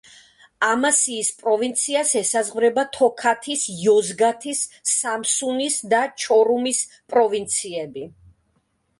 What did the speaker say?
ამასიის პროვინციას ესაზღვრება თოქათის, იოზგათის, სამსუნის და ჩორუმის პროვინციები.